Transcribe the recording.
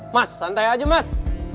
mas santai aja mas